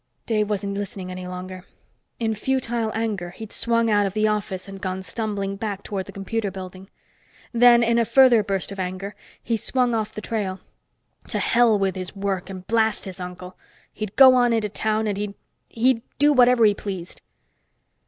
Dave wasn't listening any longer. In futile anger, he'd swung out of the office and gone stumbling back toward the computer building. Then, in a further burst of anger, he swung off the trail. To hell with his work and blast his uncle! He'd go on into town, and he'd he'd do whatever he pleased.